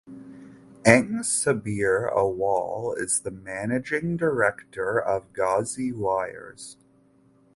Eng Sabbir Awal is the Managing Director of Gazi Wires.